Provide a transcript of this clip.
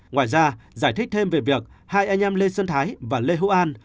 ngoài ra giải thích thêm về việc hai anh em lê xuân thái và lê hữu an